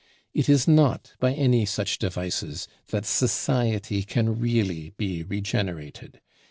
It is not by any such devices that society can really be regenerated.